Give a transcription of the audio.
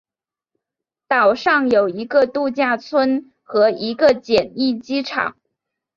岛上有一个度假村和一个简易机场。